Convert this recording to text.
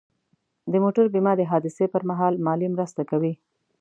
د موټر بیمه د حادثې پر مهال مالي مرسته کوي.